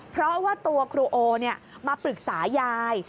เพราะว่าตัวครูโอมาปรึกษายาย